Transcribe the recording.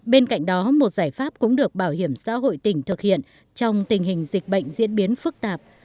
bên cạnh đó một giải pháp cũng được bảo hiểm xã hội tỉnh thực hiện trong tình hình dịch bệnh diễn biến phức tạp